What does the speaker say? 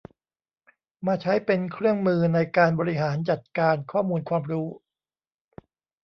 มาใช้เป็นเครื่องมือในการบริหารจัดการข้อมูลความรู้